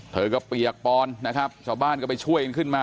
เธอก็เปียกปอนนะครับชาวบ้านก็ไปช่วยกันขึ้นมา